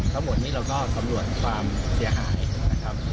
ทั้งหมดนี้เราก็สำรวจความเสียหายนะครับ